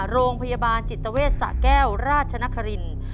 โรงพยาบาลจิตเวชสะแก้วราชนครินทร์